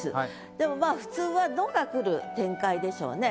でもまあ普通は「の」が来る展開でしょうね。